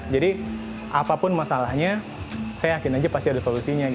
jadi apapun masalahnya saya yakin aja pasti ada solusinya